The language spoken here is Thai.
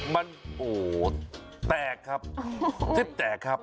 มันโอ้โหแตกครับทิพย์แตกครับ